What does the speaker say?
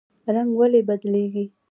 رنګ ولې بدلیږي؟